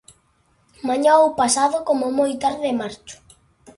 Mañá ou pasado, como moi tarde, marcho.